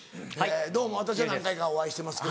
どうも私は何回かお会いしてますけど。